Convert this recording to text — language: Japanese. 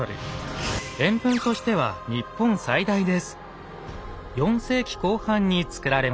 円墳としては日本最大です。